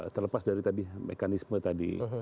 terlepas dari tadi mekanisme tadi